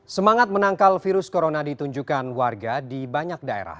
semangat menangkal virus corona ditunjukkan warga di banyak daerah